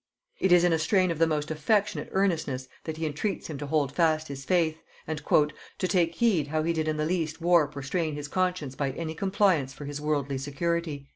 It is in a strain of the most affectionate earnestness that he entreats him to hold fast his faith, and "to take heed how he did in the least warp or strain his conscience by any compliance for his worldly security."